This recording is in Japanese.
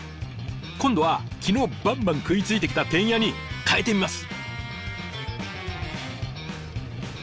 今度は昨日バンバン食いついてきたテンヤにかえてみます。